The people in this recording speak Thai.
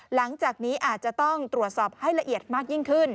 หลังจากนี้อาจจะต้องตรวจสอบให้ละเอียดมากยิ่งขึ้น